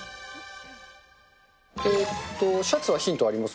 シャツはヒントあります？